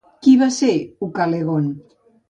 Qui va ser Ucalegont?